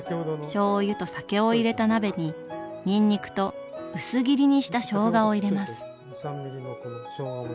しょうゆと酒を入れた鍋ににんにくと薄切りにしたしょうがを入れます。